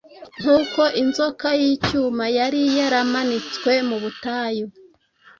Nk’uko inzoka y’icyuma yari yaramanitswe mu butayu,